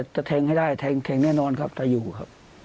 จะแทงให้ได้แทงแน่นอนครับแต่อยู่ครับ